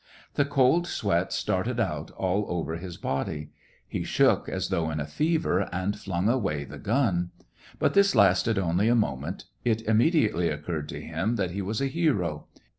The cold sweat started out all over his body. He shook as though in a fever, and flung away the gun. But this lasted only a moment ; it immediately occurred to him that he was a hero.